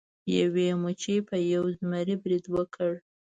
یوې مچۍ په یو زمري برید وکړ.